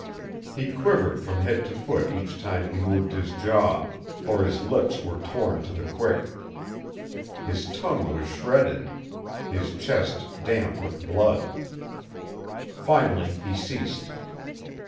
He quivered from head to foot each time he moved his jaw, for his lips were torn to the quick. His tongue was shredded; his chest damp with blood. Finally he ceased.